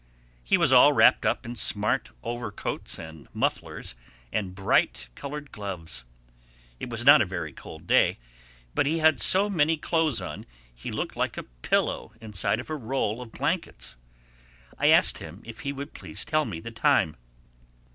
He was all wrapped up in smart overcoats and mufflers and bright colored gloves. It was not a very cold day but he had so many clothes on he looked like a pillow inside a roll of blankets. I asked him if he would please tell me the time.